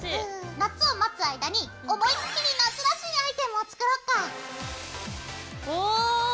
夏を待つ間に思いっきり夏らしいアイテムを作ろっか！おかわいい！